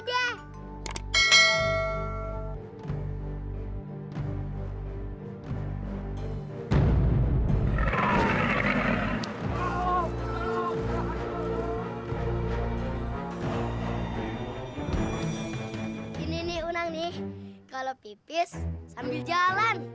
ini nih unang nih kalau pipis sambil jalan